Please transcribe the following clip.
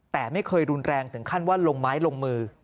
แต่ไม่เคยรุนแรงถึงขั้นว่าลงไม้ลงมือ